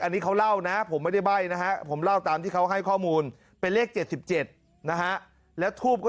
อันนี้เขาเล่านะผมไม่ได้ใบ้นะฮะผมเล่าตามที่เขาให้ข้อมูล